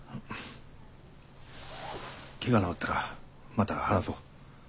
ケガ治ったらまた話そう。